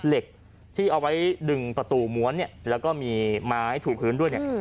เหล็กที่เอาไว้ดึงประตูม้วนเนี่ยแล้วก็มีไม้ถูกพื้นด้วยเนี่ย